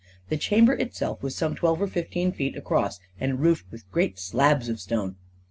The chamber itself was some twelve or fifteen feet across, and roofed with great slabs of stone.